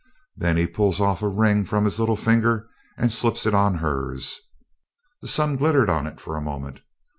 Then he pulls off a ring from his little finger and slips it on hers. The sun glittered on it for a moment.